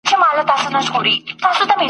دا سل ځله رژېدلی خزانونو آزمېیلی !.